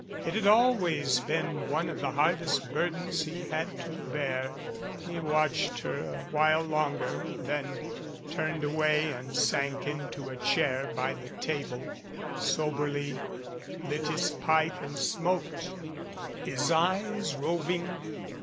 It had always been one of the hardest burdens he had to bear. He watched her a while longer, then turned away 223 MADCAP and sank into a chair bj the table, soberly lit his pipe and smoked, his eyes roving.